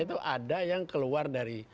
itu ada yang keluar dari